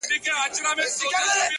وغورځول؛